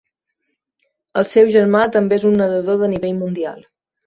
El seu germà també es un nadador de nivell mundial.